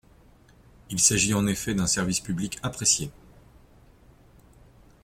Il s’agit en effet d’un service public apprécié.